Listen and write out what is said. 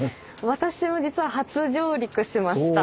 私も実は初上陸しました。